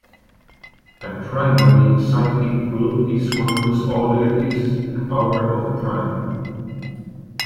A primary cyclic group is one whose order is a power of a prime.